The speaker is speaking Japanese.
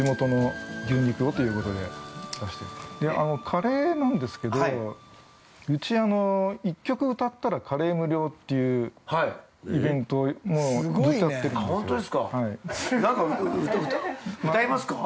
カレーなんですけどうち、１曲歌ったらカレー無料というイベントをずっとやってるんですよ。